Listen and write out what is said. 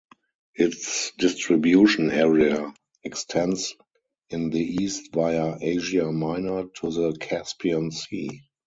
Its distribution area extends in the east via Asia Minor to the Caspian Sea.